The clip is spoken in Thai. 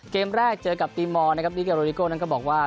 เกมแรกเจอกับตีมอลนะครับลิเกโรนิโก้นั้นก็บอกว่า